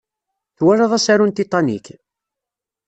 Twalaḍ asaru n Titanic?